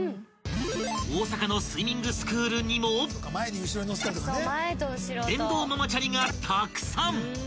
［大阪のスイミングスクールにも電動ママチャリがたくさん！］